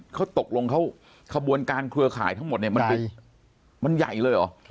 เขาตกลงเขาขบวนการเครือข่ายทั้งหมดเนี่ยมันใหญ่เลยเหรอ